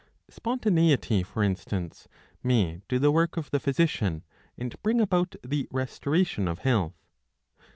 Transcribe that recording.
Spontaneity, for instance, may do the work of the physician and bring about the restoration of health.